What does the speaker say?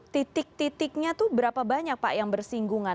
titik titiknya itu berapa banyak pak yang bersinggungan